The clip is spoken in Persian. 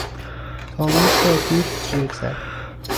تا موش را دید جیغ زد.